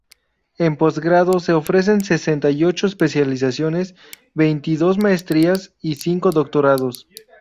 En postgrado, se ofrecen sesenta y ocho especializaciones, veintidós maestrías y cinco doctorados.